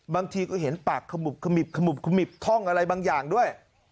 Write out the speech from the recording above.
บางทีก็เห็นปากขมุบขมิบขมุบขมิบท่องอะไรบางอย่างด้วย